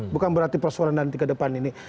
bukan berarti persoalan nanti ke depan ini